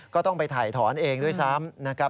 ก็ต้องไปถ่ายถอนเองด้วยซ้ำ